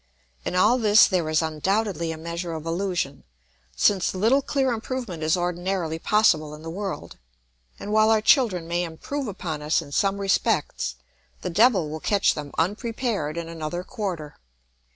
In all this there is undoubtedly a measure of illusion, since little clear improvement is ordinarily possible in the world, and while our children may improve upon us in some respects, the devil will catch them unprepared in another quarter.